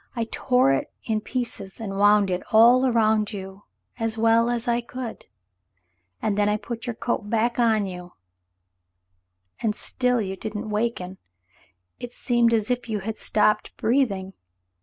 I tore it in pieces and wound it all around you as well as I could, and then I 186 The Mountain Girl put your coat back on you, and still you didn't waken. It seemed as if you had stopped breathing.